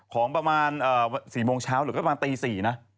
ของประมาณ๔โมงเช้าหรือก็ประมาณตี๔นะ